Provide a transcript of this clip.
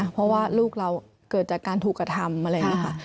เพราะว่าลูกเราเกิดจากการถูกกระทำ